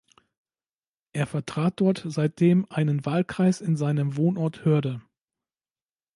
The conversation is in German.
Er vertrat dort seitdem einen Wahlkreis in seinem Wohnort Hörde.